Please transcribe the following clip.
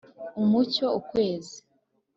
umucyo ukwezi